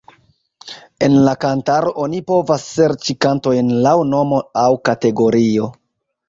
En la kantaro oni povas serĉi kantojn laŭ nomo aŭ kategorio.